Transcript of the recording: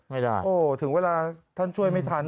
ไม่ได้โอ้ถึงเวลาท่านช่วยไม่ทัน